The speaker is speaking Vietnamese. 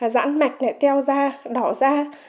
rãn mạch này teo da đỏ da